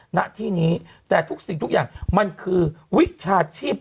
ณที่นี้แต่ทุกสิ่งทุกอย่างมันคือวิชาชีพ